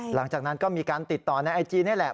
หลังจากนั้นก็มีการติดต่อในไอจีนี่แหละ